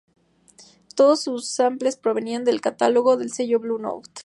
Todos sus samples provenían del catálogo del sello Blue Note.